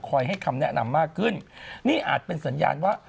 ให้คำแนะนำมากขึ้นนี่อาจเป็นสัญญาณว่า